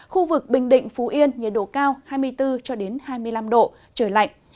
khu vực bình định phú yên nhiệt độ cao hai mươi bốn hai mươi năm độ trời lạnh